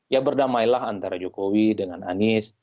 ya berdamailah antara jokowi dengan anies